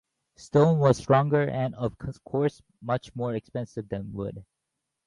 Stone was stronger and of course much more expensive than wood.